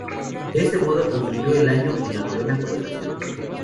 De este modo, concluyó el año en la novena colocación.